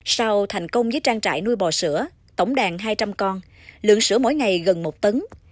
sau thành công với trang trại nuôi bò sữa tổng đàn hai trăm linh con lượng sữa mỗi ngày gần một tấn